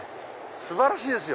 素晴らしいですよ。